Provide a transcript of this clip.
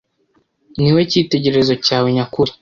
Ni we cyitegererezo cyawe nyakuri